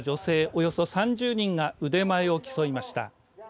およそ３０人が腕前を競いました。